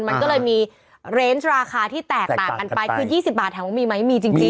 มันก็เลยมีราคาที่แตกต่างกันไปคือยี่สิบบาทแถวมันมีไหมมีจริงจริง